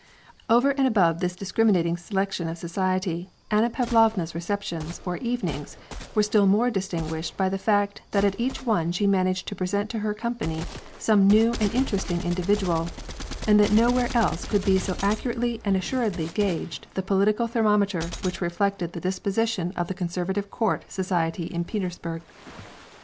Over and above this discrim inating selection of society, Anna Pavlovna's receptions, or "evenings," were still more distinguished by the fact that at each one she managed to present to her company some new and interesting individual, and that no where else could be so accurately and assuredly gauged the political thermometer which reflected the disposition of the conservative court soci ety of Petersburg.